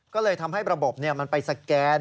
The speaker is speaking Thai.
ก็เลยทำให้ระบบมันไปสแกน